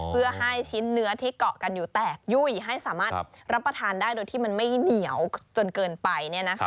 เพื่อให้ชิ้นเนื้อที่เกาะกันอยู่แตกยุ่ยให้สามารถรับประทานได้โดยที่มันไม่เหนียวจนเกินไป